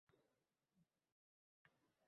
Oyim urushga ketgan tog‘amni ko‘p gapirardi.